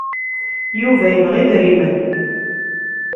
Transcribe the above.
Yuba yebɣa idrimen.